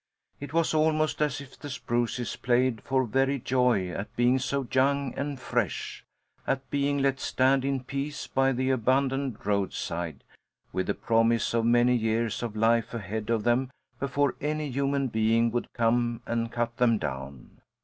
It was almost as if the spruces played for very joy at being so young and fresh; at being let stand in peace by the abandoned roadside, with the promise of many years of life ahead of them before any human being would come and cut them down.